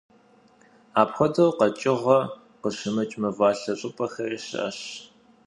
Апхуэдэу къэкӏыгъэ къыщымыкӏ мывалъэ щӏыпӏэхэри щыӏэщ.